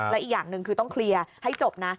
และอีกอย่างหนึ่งคือต้องเคลียร์ให้จบนะ